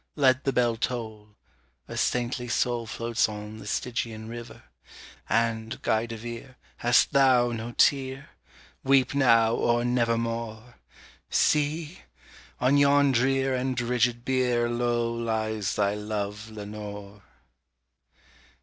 Let the bell toll! a saintly soul floats on the Stygian river; And, Guy de Vere, hast thou no tear? weep now or nevermore! See! on yon drear and rigid bier low lies thy love, Lenore!